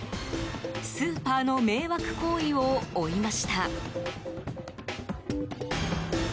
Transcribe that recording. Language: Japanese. スーパーの迷惑行為を追いました。